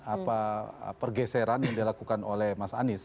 apa pergeseran yang dilakukan oleh mas anies